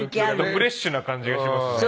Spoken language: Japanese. フレッシュな感じがしますね。